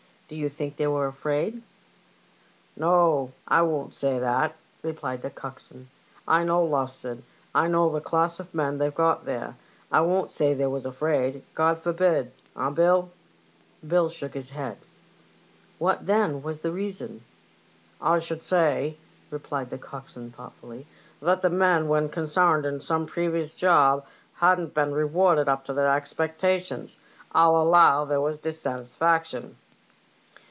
'* Do you think they were afraid ?"*' No, I won't say that," replied the coxswain. " I know Lowestoft; I know the class of men they've got 168 LIFEBOATS AND THEIR CBEW8. there. I won't say they was afraid — God forbid! eh, BiU ?" Bill shook his head. " What, then, was the reason ?"" I should say," replied the coxswain, thoughtfully, "that the men when consarned in some previous job hadn't been rewarded up to their expectations. 1*11 allow there was dissatisfaction."